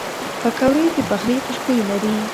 پکورې د پخلي خوشبویي لري